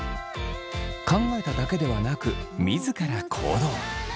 考えただけではなく自ら行動。